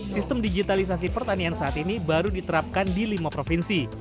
sistem digitalisasi pertanian saat ini baru diterapkan di lima provinsi